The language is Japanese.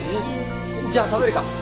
じゃあ食べるか！